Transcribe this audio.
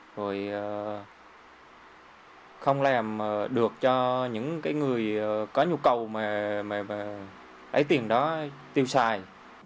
rồi không làm được cho những người có nhu cầu mà lấy tiền đó tiêu xài